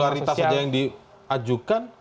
kalau modal popularitas saja yang diajukan